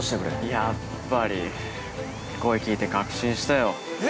◆やっぱり声を聞いて確信したよ。